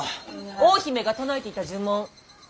大姫が唱えていた呪文。